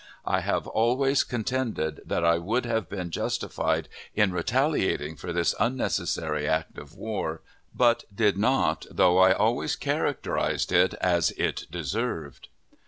I have always contended that I would have been justified in retaliating for this unnecessary act of war, but did not, though I always characterized it as it deserved.